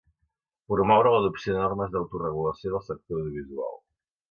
Promoure l'adopció de normes d'autoregulació del sector audiovisual.